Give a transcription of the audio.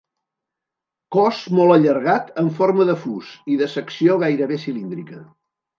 Cos molt allargat en forma de fus i de secció gairebé cilíndrica.